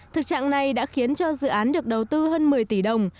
thực trạng này đã khiến cho dự án được đầu tư hơn một mươi tỷ đồng